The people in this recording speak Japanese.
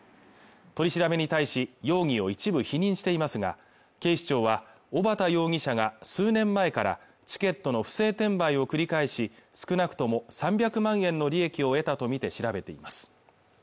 取り調べに対し容疑を一部否認していますが警視庁は小幡容疑者が数年前からチケットの不正転売を繰り返し少なくとも３００万円の利益を得たとみて調べています